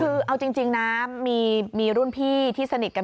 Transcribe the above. คือเอาจริงนะมีรุ่นพี่ที่สนิทกัน